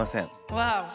ワオ！